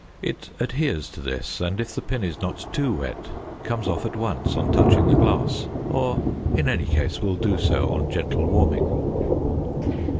It adheres to this, and if the pin is not too wet comes off at once on touching the glass, or in any case will do so on gentle warming.